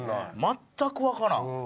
全くわからん！